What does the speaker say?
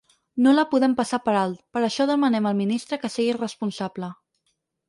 No la podem passar per alt, per això demanem al ministre que sigui responsable.